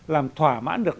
làm thỏa mãn được